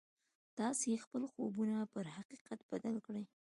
تاسې خپل خوبونه پر حقيقت بدل کړئ.